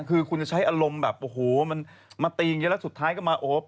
คือคุณจะใช้อารมณ์แบบโอ้โหมันมาตีอย่างนี้แล้วสุดท้ายก็มาโอ๊ป